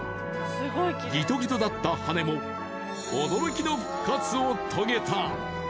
ギトギトだった羽根も驚きの復活を遂げた。